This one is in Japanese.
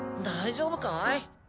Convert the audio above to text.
大丈夫かい？